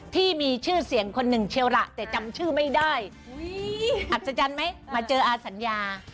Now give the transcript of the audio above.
ที่มีชื่อเสียงคนหนึ่งเชียวล่ะแต่จำชื่อไม่ได้อัศจรรย์ไหมมาเจออาสัญญา